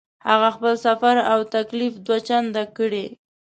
هغه خپل سفر او تکلیف دوه چنده کړی.